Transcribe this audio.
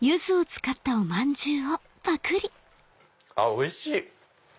おいしい！